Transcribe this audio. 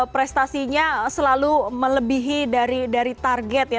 prestasinya selalu melebihi dari target ya